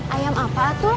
ayam apa tuh